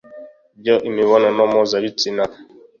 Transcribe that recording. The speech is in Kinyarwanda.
Ryo imibonano mpuzabitsina